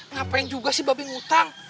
ngapain juga sih ba be ngutang